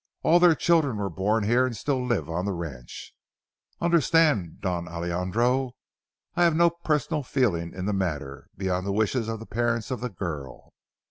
All their children were born here and still live on the ranch. Understand, Don Alejandro, I have no personal feeling in the matter, beyond the wishes of the parents of the girl.